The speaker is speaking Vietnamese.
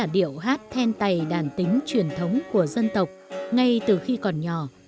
điệu hát then tày đàn tính truyền thống của dân tộc ngay từ khi còn nhỏ